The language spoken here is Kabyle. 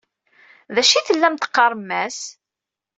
D acu i tellam teqqaṛem-as?